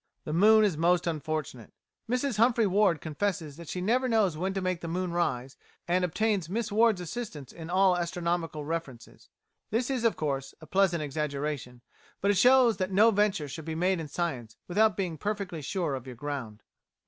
The moon is most unfortunate. Mrs Humphry Ward confesses that she never knows when to make the moon rise, and obtains Miss Ward's assistance in all astronomical references. This is, of course, a pleasant exaggeration, but it shows that no venture should be made in science without being perfectly sure of your ground.